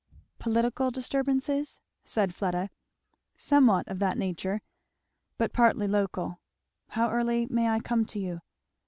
"Political disturbances?" said Fleda. "Somewhat of that nature but partly local. How early may I come to you?"